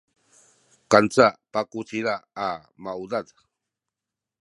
kanca pakucila a maudad